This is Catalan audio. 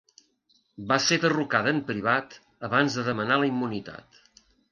Va ser derrocada en privat abans de demanar la immunitat.